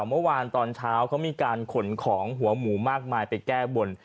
เมื่อวานตอนเช้าเขามีการขนของหัวหมูมากมายไปแก้บน